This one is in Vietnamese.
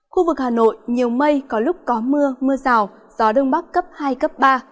khu vực hà nội nhiều mây có lúc có mưa mưa rào gió đông bắc cấp hai cấp ba